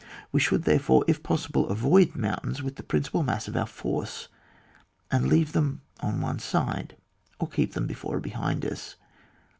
We should therefore, if possible, avoid mountains with the principal mass of our force, and leave them on one side, or keep them before or behind us.